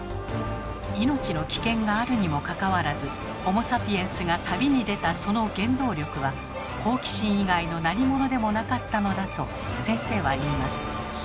命の危険があるにもかかわらずホモ・サピエンスが旅に出たその原動力は好奇心以外の何ものでもなかったのだと先生は言います。